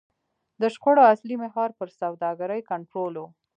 د شخړو اصلي محور پر سوداګرۍ کنټرول و.